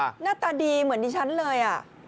หน้าตาดีเหมือนดิฉันเลย